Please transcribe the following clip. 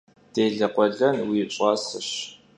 Dêle khuelen yi ş'aseş.